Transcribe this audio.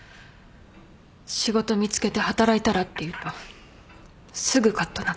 仕事見つけて働いたらって言うとすぐかっとなって。